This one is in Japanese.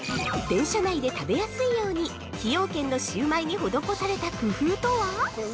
◆電車内で食べやすいように崎陽軒のシウマイに施された工夫とは？